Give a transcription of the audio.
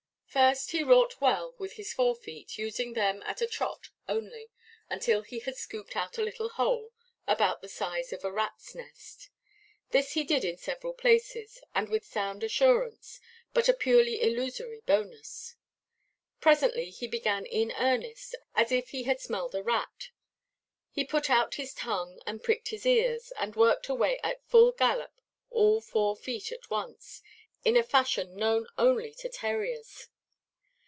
First he wrought well with his fore–feet, using them at a trot only, until he had scooped out a little hole, about the size of a ratʼs nest. This he did in several places, and with sound assurance, but a purely illusory bonus. Presently he began in earnest, as if he had smelled a rat; he put out his tongue and pricked his ears, and worked away at full gallop, all four feet at once, in a fashion known only to terriers.